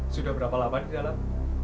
sudah berapa lama di dalam